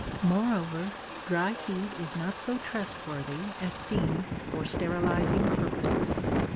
Moreover, dry heat is not so trustworthy as steam for sterilizing purposes.